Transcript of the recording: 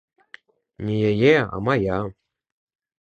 Не яе, а мая.